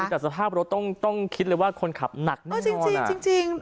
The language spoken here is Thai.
แต่สภาพรถต้องต้องคิดเลยว่าคนขับหนักนั่งหน้าจริงจริงจริงจริง